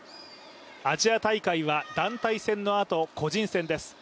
アジア大会は団体戦のあと個人戦です。